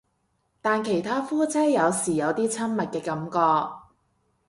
但其他夫妻有時有啲親密嘅感覺